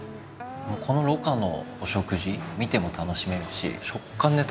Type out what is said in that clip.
このろ霞のお食事見ても楽しめるし食感で楽しめる。